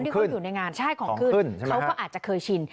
ของขึ้นใช่ของขึ้นเขาก็อาจจะเคยชิน